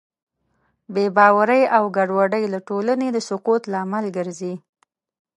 بېباورۍ او ګډوډۍ د ټولنې د سقوط لامل ګرځي.